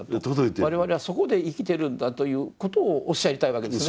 我々はそこで生きてるんだということをおっしゃりたいわけですね。